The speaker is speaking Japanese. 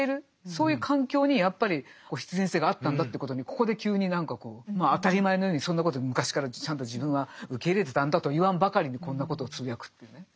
そういう環境にやっぱり必然性があったんだということにここで急に何かこう当たり前のようにそんなこと昔からちゃんと自分は受け入れてたんだと言わんばかりにこんなことをつぶやくっていうね。